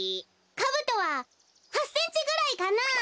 カブトは８センチぐらいかなあ。